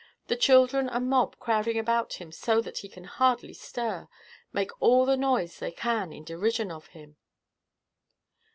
The children and mob crowding about him so that he can hardly stir, make all the noise they can in derision of him."